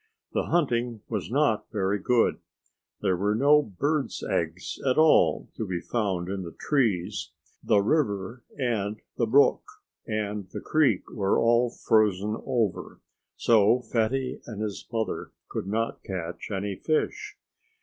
The hunting was not very good. There were no birds' eggs at all to be found in the trees. The river and the brook and the creek were all frozen over, so Fatty and his mother could not catch any fish.